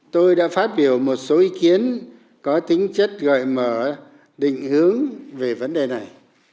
tôi đã phát biểu một số ý kiến có tính chất gợi mở định hướng về vấn đề này